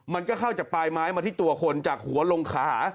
มันก็เข้าจากปลายไม้มาที่ตัวคนจากหัวลงขา